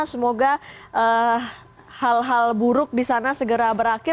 semoga hal hal buruk di sana segera berakhir